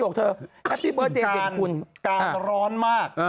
การร้อนมาก